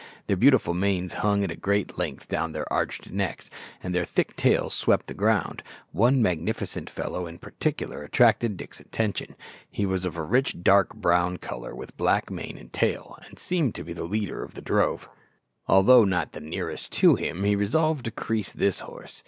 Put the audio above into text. Their beautiful manes hung at great length down their arched necks, and their thick tails swept the ground. One magnificent fellow in particular attracted Dick's attention. He was of a rich dark brown colour, with black mane and tail, and seemed to be the leader of the drove. Although not the nearest to him, he resolved to crease this horse.